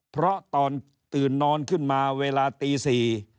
เพราะตอนตื่นนอนขึ้นมาเวลาตี๔